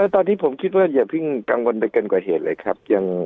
ตอนนี้ผมคิดว่าอย่าเพิ่งกังวลไปเกินกว่าเหตุเลยครับ